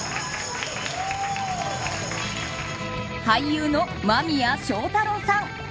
俳優の間宮祥太朗さん。